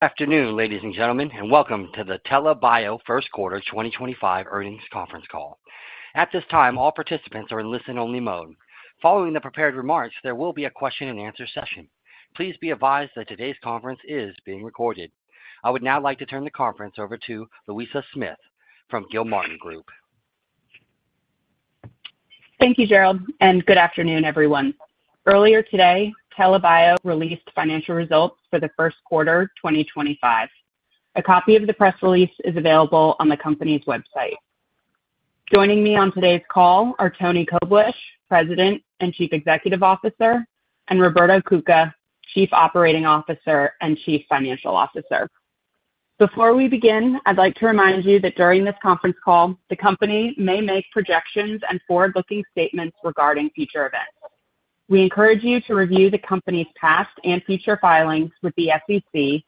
Good afternoon, ladies and gentlemen, and welcome to the TELA Bio First Quarter 2025 Earnings Conference Call. At this time, all participants are in listen-only mode. Following the prepared remarks, there will be a question-and-answer session. Please be advised that today's conference is being recorded. I would now like to turn the conference over to Louisa Smith from Gilmartin Group. Thank you, Gerald, and good afternoon, everyone. Earlier today, TELA Bio released financial results for the first quarter 2025. A copy of the press release is available on the company's website. Joining me on today's call are Tony Koblish, President and Chief Executive Officer, and Roberto Cuca, Chief Operating Officer and Chief Financial Officer. Before we begin, I'd like to remind you that during this conference call, the company may make projections and forward-looking statements regarding future events. We encourage you to review the company's past and future filings with the SEC,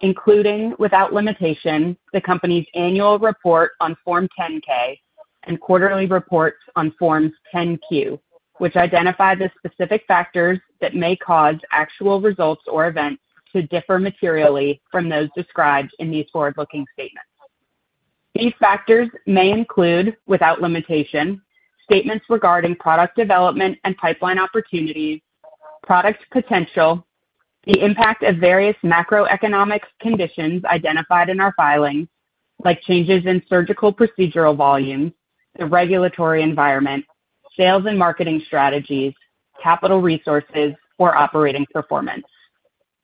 including without limitation, the company's annual report on Form 10-K and quarterly reports on Form 10-Q, which identify the specific factors that may cause actual results or events to differ materially from those described in these forward-looking statements. These factors may include, without limitation, statements regarding product development and pipeline opportunities, product potential, the impact of various macroeconomic conditions identified in our filings, like changes in surgical procedural volumes, the regulatory environment, sales and marketing strategies, capital resources, or operating performance.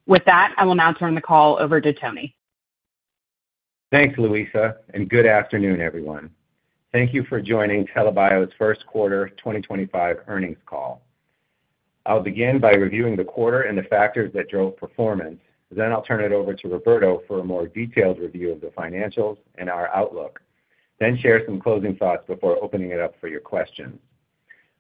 With that, I will now turn the call over to Tony. Thanks, Luisa, and good afternoon, everyone. Thank you for joining TELA Bio's first quarter 2025 earnings call. I'll begin by reviewing the quarter and the factors that drove performance. I'll turn it over to Roberto for a more detailed review of the financials and our outlook, then share some closing thoughts before opening it up for your questions.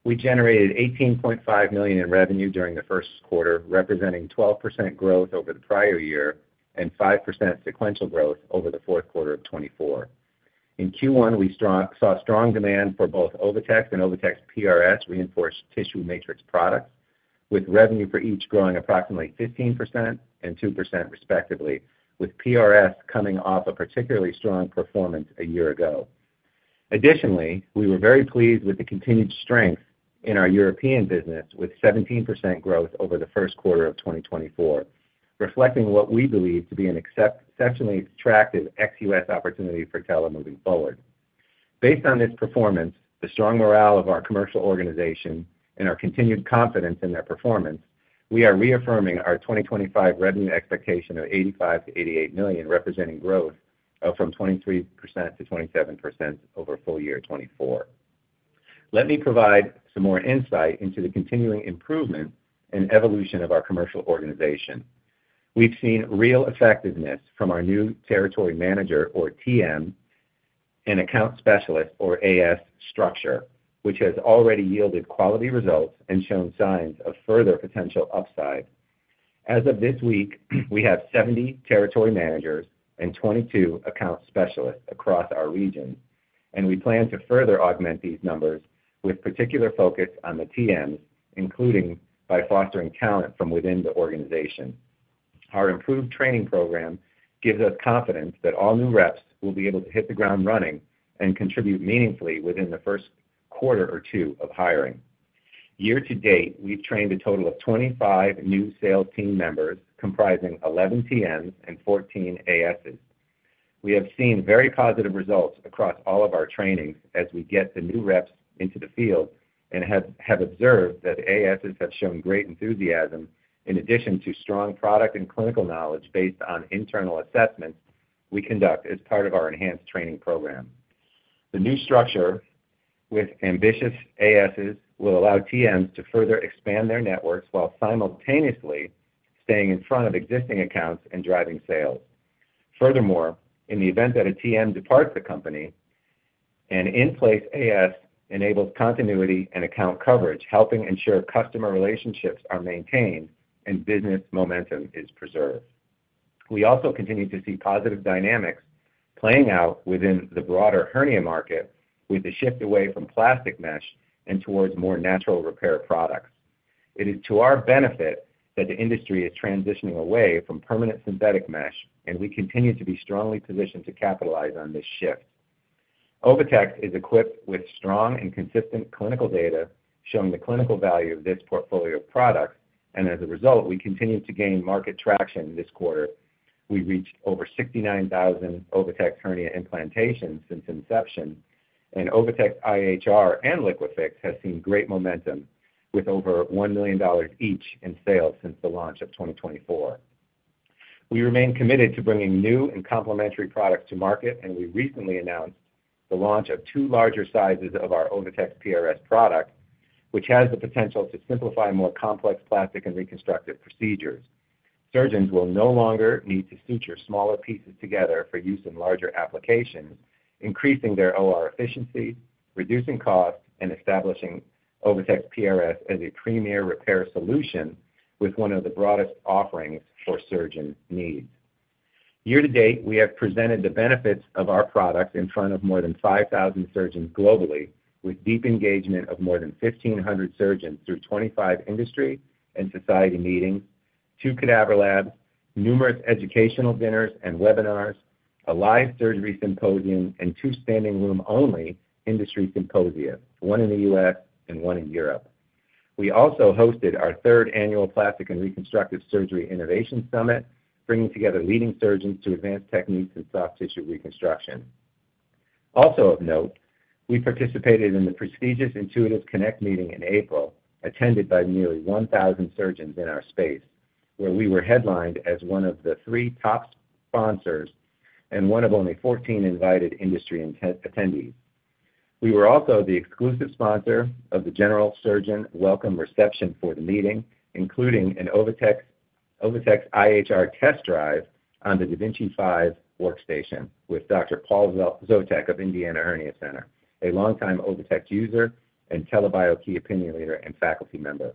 We generated $18.5 million in revenue during the first quarter, representing 12% growth over the prior year and 5% sequential growth over the fourth quarter of 2024. In Q1, we saw strong demand for both OviTex and OviTex PRS reinforced tissue matrix products, with revenue for each growing approximately 15% and 2% respectively, with PRS coming off a particularly strong performance a year ago. Additionally, we were very pleased with the continued strength in our European business, with 17% growth over the first quarter of 2024, reflecting what we believe to be an exceptionally attractive XUS opportunity for TELA Bio moving forward. Based on this performance, the strong morale of our commercial organization, and our continued confidence in their performance, we are reaffirming our 2025 revenue expectation of $85 million-$88 million, representing growth from 23%-27% over full year 2024. Let me provide some more insight into the continuing improvement and evolution of our commercial organization. We've seen real effectiveness from our new Territory Manager, or TM, and Account Specialist, or AS structure, which has already yielded quality results and shown signs of further potential upside. As of this week, we have 70 territory managers and 22 account specialists across our region, and we plan to further augment these numbers with particular focus on the TMs, including by fostering talent from within the organization. Our improved training program gives us confidence that all new reps will be able to hit the ground running and contribute meaningfully within the first quarter or two of hiring. Year to date, we've trained a total of 25 new sales team members comprising 11 TMs and 14 ASs. We have seen very positive results across all of our trainings as we get the new reps into the field and have observed that the ASs have shown great enthusiasm, in addition to strong product and clinical knowledge based on internal assessments we conduct as part of our enhanced training program. The new structure with ambitious ASs will allow TMs to further expand their networks while simultaneously staying in front of existing accounts and driving sales. Furthermore, in the event that a TM departs the company, an in-place AS enables continuity and account coverage, helping ensure customer relationships are maintained and business momentum is preserved. We also continue to see positive dynamics playing out within the broader hernia market with the shift away from plastic mesh and towards more natural repair products. It is to our benefit that the industry is transitioning away from permanent synthetic mesh, and we continue to be strongly positioned to capitalize on this shift. OviTex is equipped with strong and consistent clinical data showing the clinical value of this portfolio of products, and as a result, we continue to gain market traction this quarter. We reached over 69,000 OviTex hernia implantations since inception, and OviTex IHR and Liquifix have seen great momentum, with over $1 million each in sales since the launch of 2024. We remain committed to bringing new and complementary products to market, and we recently announced the launch of two larger sizes of our OviTex PRS product, which has the potential to simplify more complex plastic and reconstructive procedures. Surgeons will no longer need to suture smaller pieces together for use in larger applications, increasing their OR efficiency, reducing costs, and establishing OviTex PRS as a premier repair solution with one of the broadest offerings for surgeon needs. Year to date, we have presented the benefits of our products in front of more than 5,000 surgeons globally, with deep engagement of more than 1,500 surgeons through 25 industry and society meetings, two cadaver labs, numerous educational dinners and webinars, a live surgery symposium, and two standing room-only industry symposia, one in the U.S. and one in Europe. We also hosted our third annual Plastic and Reconstructive Surgery Innovation Summit, bringing together leading surgeons to advance techniques in soft tissue reconstruction. Also of note, we participated in the prestigious Intuitive Connect meeting in April, attended by nearly 1,000 surgeons in our space, where we were headlined as one of the three top sponsors and one of only 14 invited industry attendees. We were also the exclusive sponsor of the general surgeon welcome reception for the meeting, including an OviTex IHR test drive on the DaVinci 5 workstation with Dr. Paul Zotech of Indiana Hernia Center, a longtime OviTex user and TELA Bio key opinion leader and faculty member.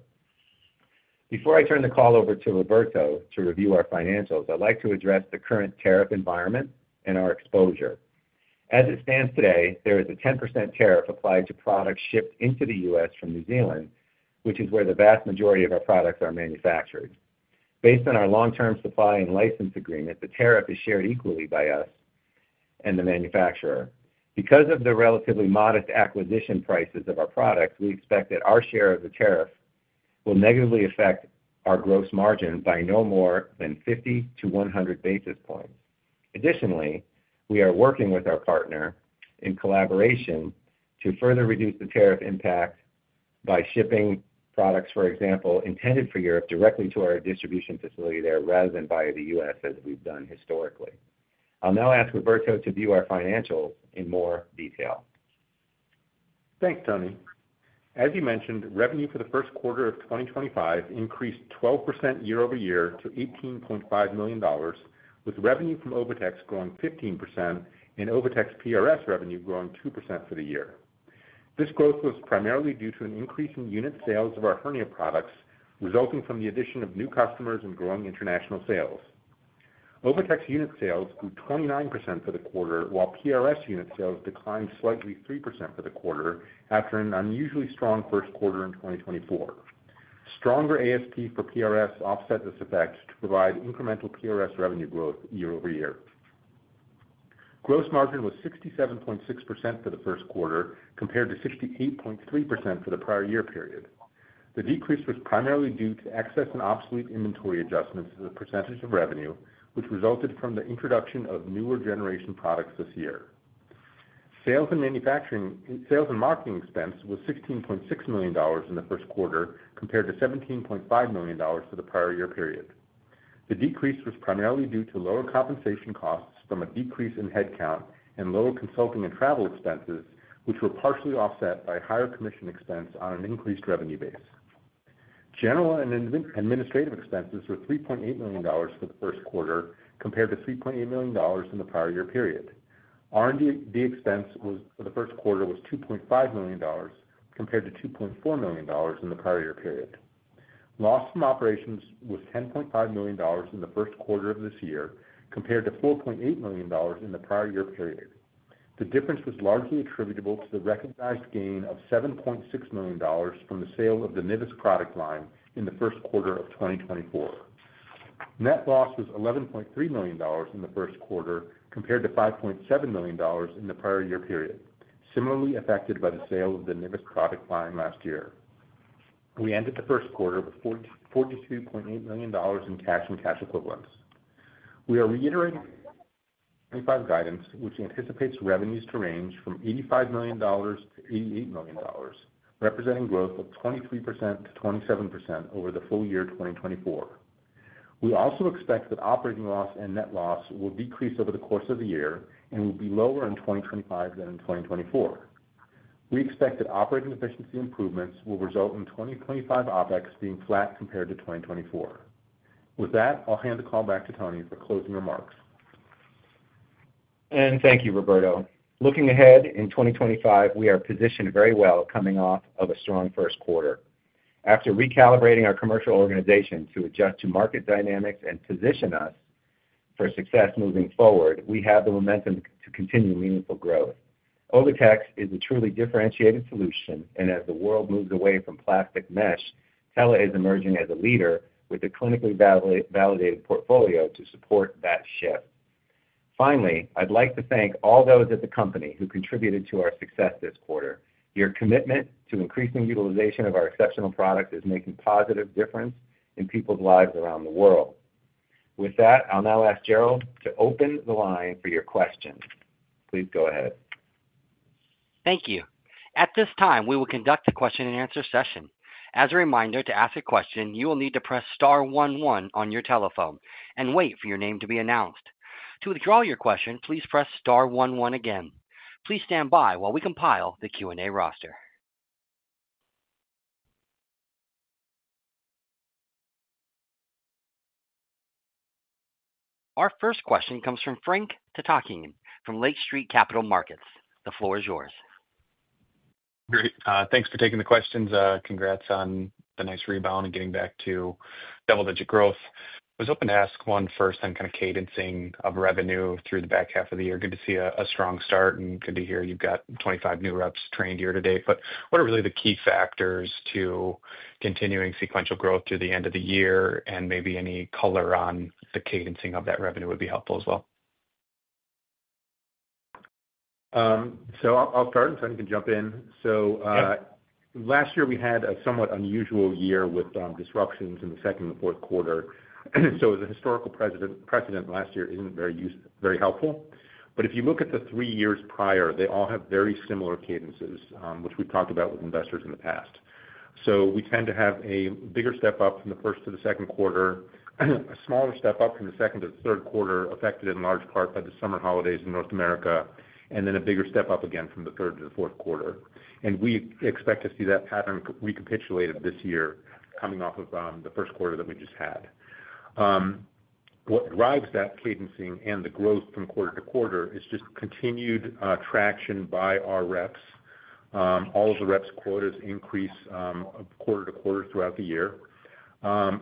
Before I turn the call over to Roberto to review our financials, I'd like to address the current tariff environment and our exposure. As it stands today, there is a 10% tariff applied to products shipped into the U.S. from New Zealand, which is where the vast majority of our products are manufactured. Based on our long-term supply and license agreement, the tariff is shared equally by us and the manufacturer. Because of the relatively modest acquisition prices of our products, we expect that our share of the tariff will negatively affect our gross margin by no more than 50 to 100 basis points. Additionally, we are working with our partner in collaboration to further reduce the tariff impact by shipping products, for example, intended for Europe, directly to our distribution facility there rather than via the U.S., as we've done historically. I'll now ask Roberto to view our financials in more detail. Thanks, Tony. As you mentioned, revenue for the first quarter of 2025 increased 12% year over year to $18.5 million, with revenue from OviTex growing 15% and OviTex PRS revenue growing 2% for the year. This growth was primarily due to an increase in unit sales of our hernia products, resulting from the addition of new customers and growing international sales. OviTex unit sales grew 29% for the quarter, while PRS unit sales declined slightly 3% for the quarter after an unusually strong first quarter in 2024. Stronger ASP for PRS offset this effect to provide incremental PRS revenue growth year over year. Gross margin was 67.6% for the first quarter, compared to 68.3% for the prior year period. The decrease was primarily due to excess and obsolete inventory adjustments to the percentage of revenue, which resulted from the introduction of newer generation products this year. Sales and marketing expense was $16.6 million in the first quarter, compared to $17.5 million for the prior year period. The decrease was primarily due to lower compensation costs from a decrease in headcount and lower consulting and travel expenses, which were partially offset by higher commission expense on an increased revenue base. General and administrative expenses were $3.8 million for the first quarter, compared to $3.8 million in the prior year period. R&D expense for the first quarter was $2.5 million, compared to $2.4 million in the prior year period. Loss from operations was $10.5 million in the first quarter of this year, compared to $4.8 million in the prior year period. The difference was largely attributable to the recognized gain of $7.6 million from the sale of the NIVUS product line in the first quarter of 2024. Net loss was $11.3 million in the first quarter, compared to $5.7 million in the prior year period, similarly affected by the sale of the NIVUS product line last year. We ended the first quarter with $42.8 million in cash and cash equivalents. We are reiterating the 2025 guidance, which anticipates revenues to range from $85 million-$88 million, representing growth of 23%-27% over the full year 2024. We also expect that operating loss and net loss will decrease over the course of the year and will be lower in 2025 than in 2024. We expect that operating efficiency improvements will result in 2025 OPEX being flat compared to 2024. With that, I'll hand the call back to Tony for closing remarks. Thank you, Roberto. Looking ahead in 2025, we are positioned very well coming off of a strong first quarter. After recalibrating our commercial organization to adjust to market dynamics and position us for success moving forward, we have the momentum to continue meaningful growth. OviTex is a truly differentiated solution, and as the world moves away from plastic mesh, TELA Bio is emerging as a leader with a clinically validated portfolio to support that shift. Finally, I would like to thank all those at the company who contributed to our success this quarter. Your commitment to increasing utilization of our exceptional products is making a positive difference in people's lives around the world. With that, I will now ask Gerald to open the line for your questions. Please go ahead. Thank you. At this time, we will conduct a question-and-answer session. As a reminder, to ask a question, you will need to press star 11 on your telephone and wait for your name to be announced. To withdraw your question, please press star 11 again. Please stand by while we compile the Q&A roster. Our first question comes from Frank Tatakian from Lake Street Capital Markets. The floor is yours. Great. Thanks for taking the questions. Congrats on the nice rebound and getting back to double-digit growth. I was hoping to ask one first on kind of cadencing of revenue through the back half of the year. Good to see a strong start and good to hear you've got 25 new reps trained year to date. What are really the key factors to continuing sequential growth through the end of the year? Maybe any color on the cadencing of that revenue would be helpful as well. I'll start, and Tony can jump in. Last year, we had a somewhat unusual year with disruptions in the second and fourth quarter. As a historical precedent, last year is not very helpful. If you look at the three years prior, they all have very similar cadences, which we've talked about with investors in the past. We tend to have a bigger step up from the first to the second quarter, a smaller step up from the second to the third quarter affected in large part by the summer holidays in North America, and then a bigger step up again from the third to the fourth quarter. We expect to see that pattern recapitulated this year coming off of the first quarter that we just had. What drives that cadencing and the growth from quarter to quarter is just continued traction by our reps. All of the reps' quotas increase quarter to quarter throughout the year. With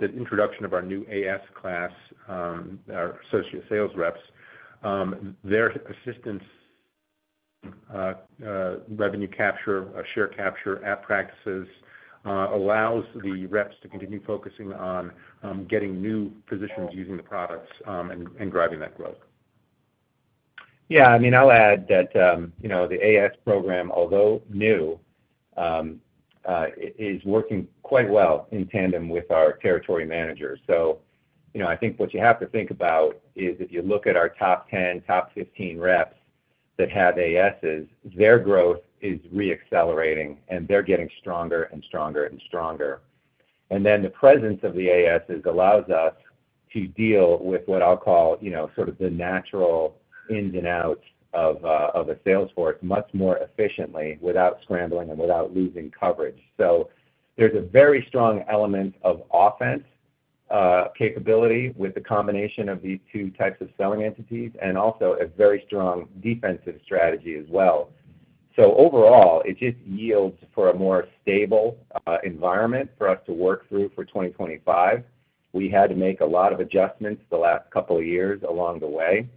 the introduction of our new AS class, our associate sales reps, their assistance revenue capture, share capture at practices allows the reps to continue focusing on getting new physicians using the products and driving that growth. Yeah. I mean, I'll add that the AS program, although new, is working quite well in tandem with our territory managers. I think what you have to think about is if you look at our top 10, top 15 reps that have ASs, their growth is re-accelerating, and they're getting stronger and stronger and stronger. The presence of the ASs allows us to deal with what I'll call sort of the natural ins and outs of a sales force much more efficiently without scrambling and without losing coverage. There is a very strong element of offense capability with the combination of these two types of selling entities and also a very strong defensive strategy as well. Overall, it just yields for a more stable environment for us to work through for 2025. We had to make a lot of adjustments the last couple of years along the way,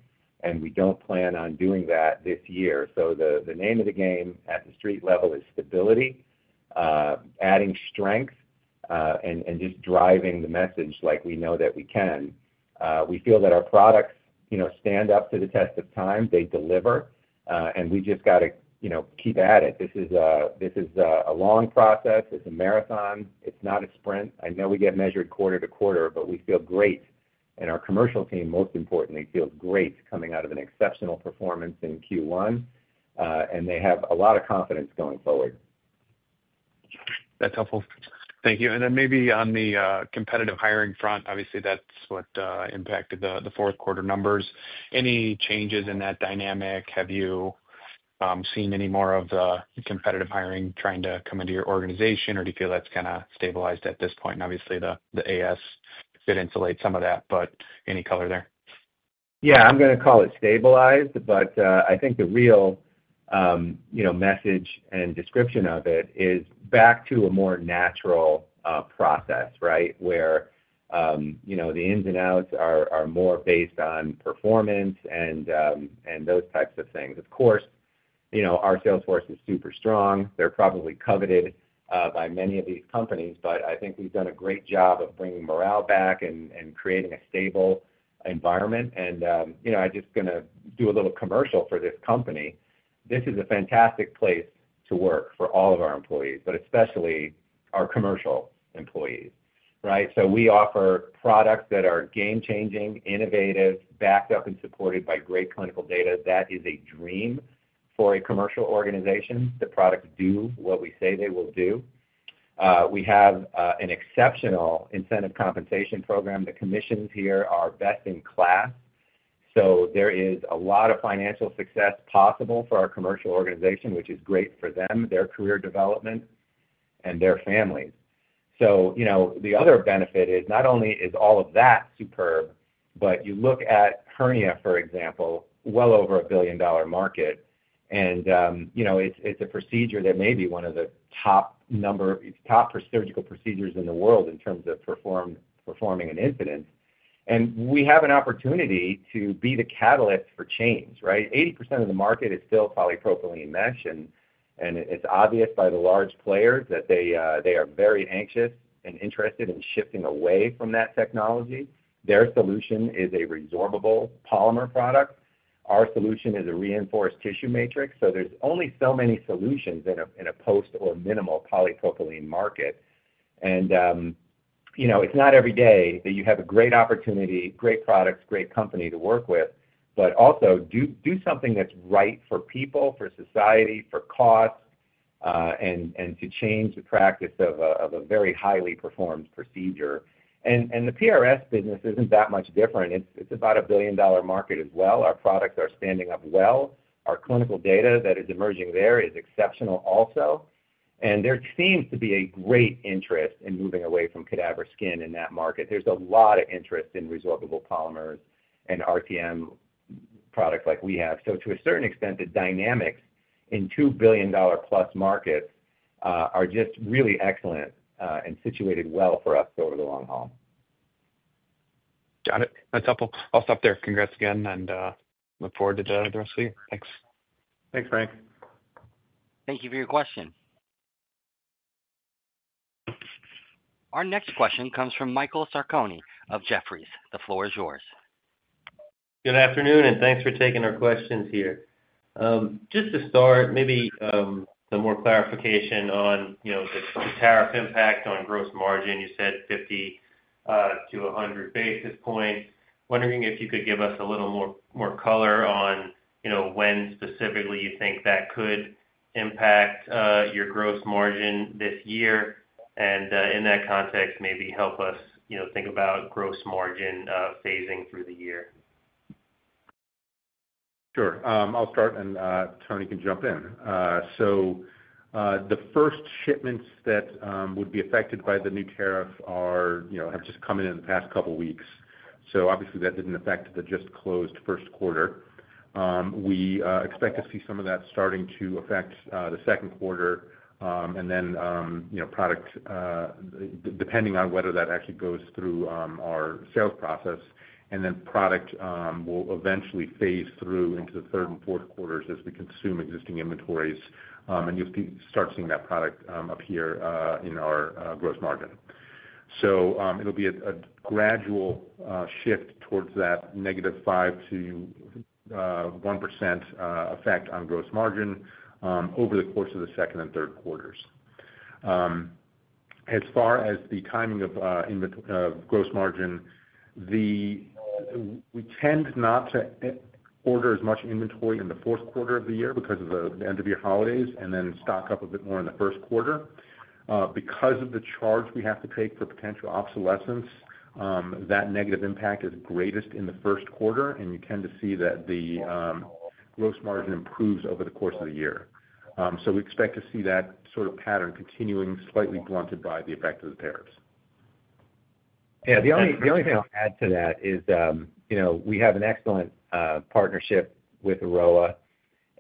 and we do not plan on doing that this year. The name of the game at the street level is stability, adding strength, and just driving the message like we know that we can. We feel that our products stand up to the test of time. They deliver, and we just got to keep at it. This is a long process. It is a marathon. It is not a sprint. I know we get measured quarter to quarter, but we feel great. Our commercial team, most importantly, feels great coming out of an exceptional performance in Q1, and they have a lot of confidence going forward. That's helpful. Thank you. Maybe on the competitive hiring front, obviously, that's what impacted the fourth quarter numbers. Any changes in that dynamic? Have you seen any more of the competitive hiring trying to come into your organization, or do you feel that's kind of stabilized at this point? Obviously, the AS could insulate some of that, but any color there? Yeah. I'm going to call it stabilized, but I think the real message and description of it is back to a more natural process, right, where the ins and outs are more based on performance and those types of things. Of course, our sales force is super strong. They're probably coveted by many of these companies, but I think we've done a great job of bringing morale back and creating a stable environment. I'm just going to do a little commercial for this company. This is a fantastic place to work for all of our employees, but especially our commercial employees, right? We offer products that are game-changing, innovative, backed up and supported by great clinical data. That is a dream for a commercial organization. The products do what we say they will do. We have an exceptional incentive compensation program. The commissions here are best in class. There is a lot of financial success possible for our commercial organization, which is great for them, their career development, and their families. The other benefit is not only is all of that superb, but you look at hernia, for example, well over a billion-dollar market, and it is a procedure that may be one of the top surgical procedures in the world in terms of performing an incident. We have an opportunity to be the catalyst for change, right? 80% of the market is still polypropylene mesh, and it is obvious by the large players that they are very anxious and interested in shifting away from that technology. Their solution is a resorbable polymer product. Our solution is a reinforced tissue matrix. There are only so many solutions in a post or minimal polypropylene market. It is not every day that you have a great opportunity, great products, great company to work with, but also do something that is right for people, for society, for cost, and to change the practice of a very highly performed procedure. The PRS business is not that much different. It is about a $1 billion market as well. Our products are standing up well. Our clinical data that is emerging there is exceptional also. There seems to be a great interest in moving away from cadaver skin in that market. There is a lot of interest in resorbable polymers and RTM products like we have. To a certain extent, the dynamics in $2 billion-plus markets are just really excellent and situated well for us over the long haul. Got it. That's helpful. I'll stop there. Congrats again, and look forward to the rest of the year. Thanks. Thanks, Frank. Thank you for your question. Our next question comes from Michael Sarconi of Jefferies. The floor is yours. Good afternoon, and thanks for taking our questions here. Just to start, maybe some more clarification on the tariff impact on gross margin. You said 50-100 basis points. Wondering if you could give us a little more color on when specifically you think that could impact your gross margin this year. In that context, maybe help us think about gross margin phasing through the year. Sure. I'll start, and Tony can jump in. The first shipments that would be affected by the new tariff have just come in in the past couple of weeks. Obviously, that did not affect the just closed first quarter. We expect to see some of that starting to affect the second quarter and then product, depending on whether that actually goes through our sales process. Product will eventually phase through into the third and fourth quarters as we consume existing inventories. You'll start seeing that product appear in our gross margin. It will be a gradual shift towards that negative 5%-1% effect on gross margin over the course of the second and third quarters. As far as the timing of gross margin, we tend not to order as much inventory in the fourth quarter of the year because of the end-of-year holidays and then stock up a bit more in the first quarter. Because of the charge we have to pay for potential obsolescence, that negative impact is greatest in the first quarter, and you tend to see that the gross margin improves over the course of the year. We expect to see that sort of pattern continuing, slightly blunted by the effect of the tariffs. Yeah. The only thing I'll add to that is we have an excellent partnership with Aroa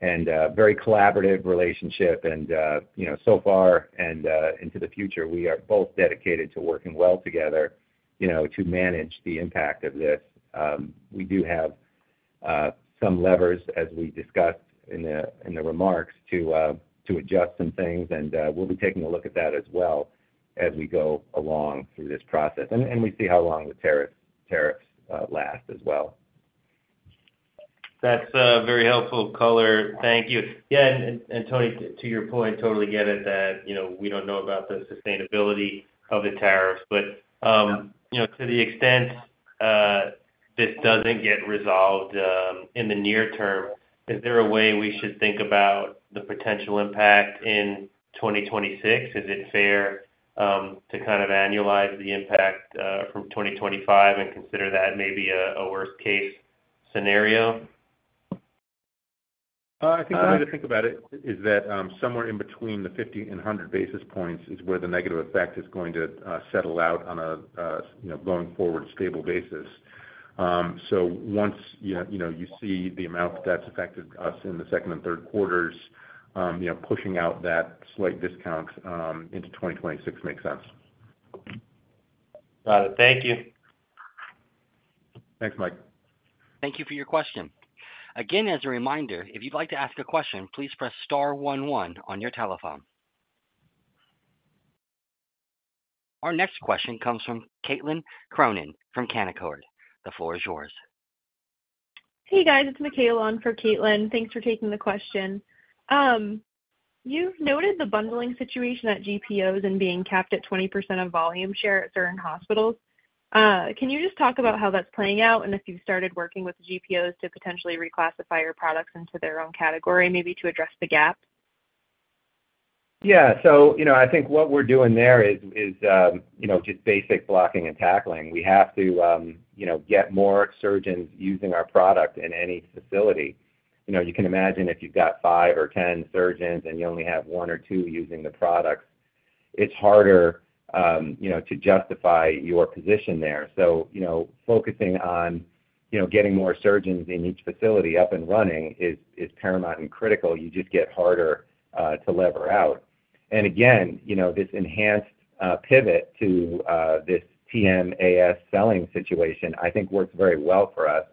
and a very collaborative relationship. So far and into the future, we are both dedicated to working well together to manage the impact of this. We do have some levers, as we discussed in the remarks, to adjust some things, and we'll be taking a look at that as well as we go along through this process. We see how long the tariffs last as well. That's very helpful color. Thank you. Yeah. And Tony, to your point, totally get it that we don't know about the sustainability of the tariffs. But to the extent this doesn't get resolved in the near term, is there a way we should think about the potential impact in 2026? Is it fair to kind of annualize the impact from 2025 and consider that maybe a worst-case scenario? I think the way to think about it is that somewhere in between the 50 and 100 basis points is where the negative effect is going to settle out on a going-forward stable basis. Once you see the amount that that's affected us in the second and third quarters, pushing out that slight discount into 2026 makes sense. Got it. Thank you. Thanks, Mike. Thank you for your question. Again, as a reminder, if you'd like to ask a question, please press star 11 on your telephone. Our next question comes from Caitlin Cronin from Canaccord. The floor is yours. Hey, guys. It's Mikaela for Caitlin. Thanks for taking the question. You've noted the bundling situation at GPOs and being capped at 20% of volume share at certain hospitals. Can you just talk about how that's playing out and if you've started working with the GPOs to potentially reclassify your products into their own category, maybe to address the gap? Yeah. I think what we're doing there is just basic blocking and tackling. We have to get more surgeons using our product in any facility. You can imagine if you've got 5-10 surgeons and you only have one or two using the products, it's harder to justify your position there. Focusing on getting more surgeons in each facility up and running is paramount and critical. You just get harder to lever out. Again, this enhanced pivot to this TM/AS selling situation, I think, works very well for us.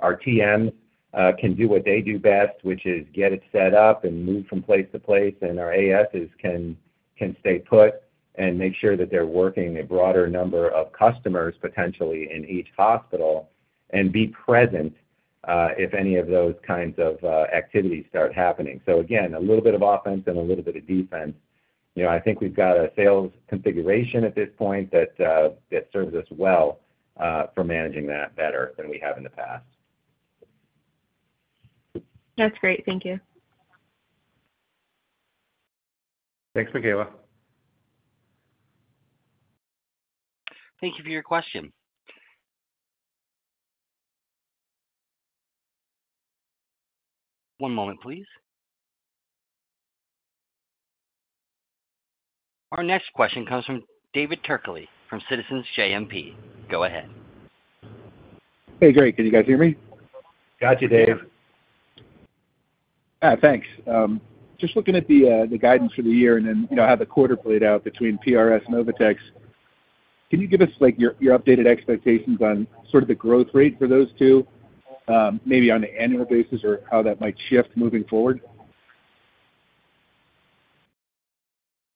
Our TMs can do what they do best, which is get it set up and move from place to place, and our ASs can stay put and make sure that they're working a broader number of customers potentially in each hospital and be present if any of those kinds of activities start happening. Again, a little bit of offense and a little bit of defense. I think we've got a sales configuration at this point that serves us well for managing that better than we have in the past. That's great. Thank you. Thanks, Mikaela. Thank you for your question. One moment, please. Our next question comes from David Turkaly from Citizens JMP. Go ahead. Hey, Greg. Can you guys hear me? Got you, Dave. Thanks. Just looking at the guidance for the year and then how the quarter played out between PRS and OviTex, can you give us your updated expectations on sort of the growth rate for those two, maybe on an annual basis or how that might shift moving forward?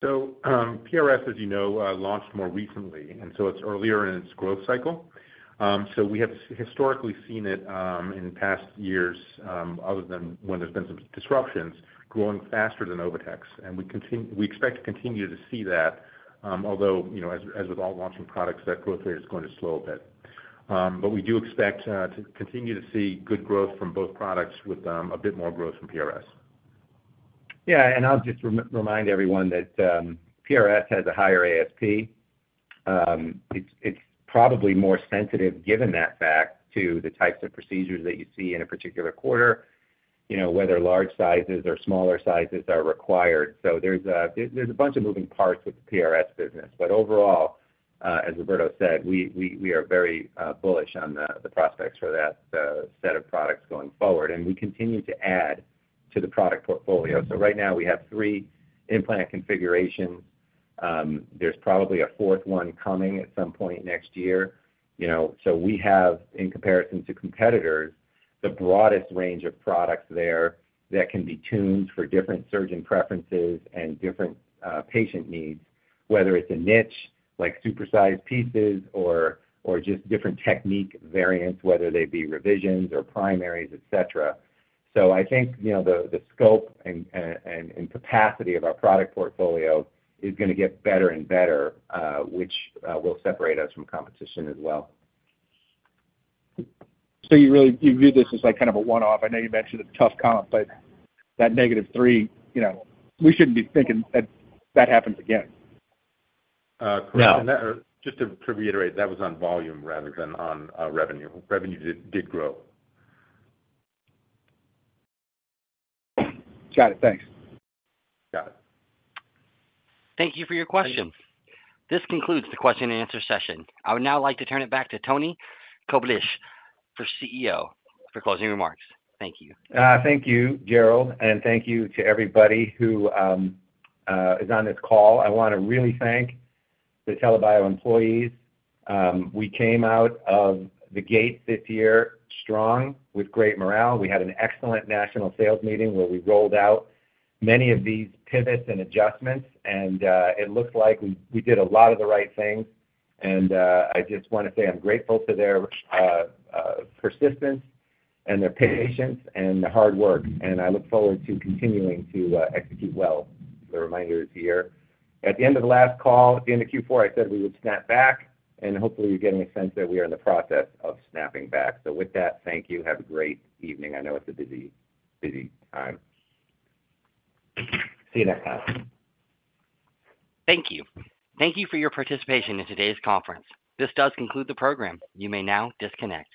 PRS, as you know, launched more recently, and so it's earlier in its growth cycle. We have historically seen it in past years, other than when there's been some disruptions, growing faster than OviTex. We expect to continue to see that, although, as with all launching products, that growth rate is going to slow a bit. We do expect to continue to see good growth from both products with a bit more growth from PRS. Yeah. I'll just remind everyone that PRS has a higher ASP. It's probably more sensitive, given that fact, to the types of procedures that you see in a particular quarter, whether large sizes or smaller sizes are required. There's a bunch of moving parts with the PRS business. Overall, as Roberto said, we are very bullish on the prospects for that set of products going forward. We continue to add to the product portfolio. Right now, we have three implant configurations. There's probably a fourth one coming at some point next year. We have, in comparison to competitors, the broadest range of products there that can be tuned for different surgeon preferences and different patient needs, whether it's a niche like supersized pieces or just different technique variants, whether they be revisions or primaries, etc. I think the scope and capacity of our product portfolio is going to get better and better, which will separate us from competition as well. You view this as kind of a one-off. I know you mentioned a tough comp, but that negative three, we shouldn't be thinking that that happens again. Correct. Just to reiterate, that was on volume rather than on revenue. Revenue did grow. Got it. Thanks. Got it. Thank you for your questions. This concludes the question-and-answer session. I would now like to turn it back to Tony Koblish, CEO, for closing remarks. Thank you. Thank you, Gerald. And thank you to everybody who is on this call. I want to really thank the TELA Bio employees. We came out of the gates this year strong with great morale. We had an excellent national sales meeting where we rolled out many of these pivots and adjustments. It looks like we did a lot of the right things. I just want to say I'm grateful for their persistence and their patience and the hard work. I look forward to continuing to execute well. The reminder is here. At the end of the last call, at the end of Q4, I said we would snap back. Hopefully, you're getting a sense that we are in the process of snapping back. With that, thank you. Have a great evening. I know it's a busy time. See you next time. Thank you. Thank you for your participation in today's conference. This does conclude the program. You may now disconnect.